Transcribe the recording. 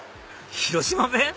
広島弁？